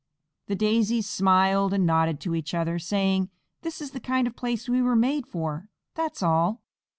The Daisies smiled and nodded to each other, saying, "This is the kind of place we were made for, that's all."